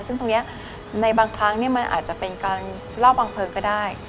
ซึ่งตรงนี้ในบางครั้งมันอาจจะเป็นการรอบวางเพลิงก็ได้